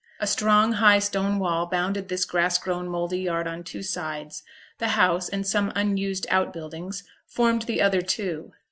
A strong high stone wall bounded this grass grown mouldy yard on two sides; the house, and some unused out buildings, formed the other two.